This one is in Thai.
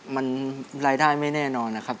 มันรายได้ไม่แน่นอนนะครับ